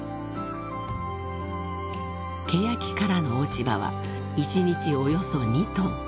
［ケヤキからの落ち葉は一日およそ２ｔ］